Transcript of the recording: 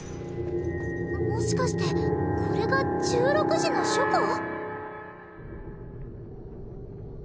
もしかしてこれが１６時の書庫？